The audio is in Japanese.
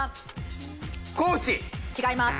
違います。